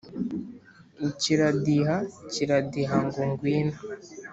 ukiradiha kiradiha ngo gwino